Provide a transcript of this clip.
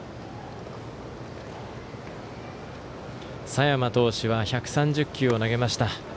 佐山投手は１３０球を投げました。